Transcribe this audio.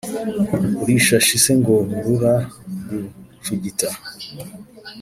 urishashi se ngo rura gucugita?"